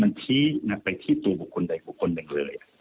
มันที้ไปที่ตัวบุคคลใดบุคคลอย่างเลย